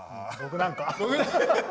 僕なんか。